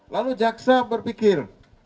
lalu jaksa berpikir